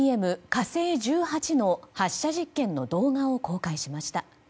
「火星１８」の発射実験の動画を公開しました。